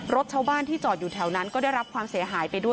รถชาวบ้านที่จอดอยู่แถวนั้นก็ได้รับความเสียหายไปด้วย